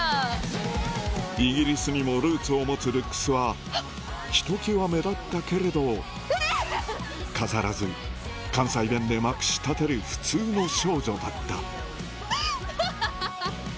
イギリスにもルーツを持つルックスはひときわ目立ったけれど飾らず関西弁でまくし立てる普通の少女だったハハハ！